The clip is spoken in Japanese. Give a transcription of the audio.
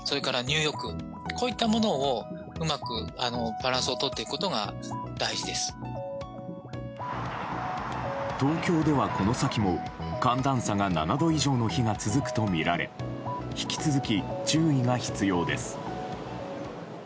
寒暖差疲労にならないためには。東京ではこの先も寒暖差が７度以上の日が続くとみられ引き続き、注意が必要です。